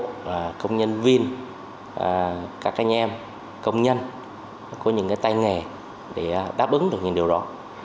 các cán bộ công nhân viên các anh em công nhân có những cái tay nghề để đáp ứng được những điều đó